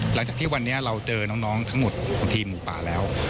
หลังจากที่วันนี้เราเจอน้องทั้งหมดของทีมหมูป่าแล้ว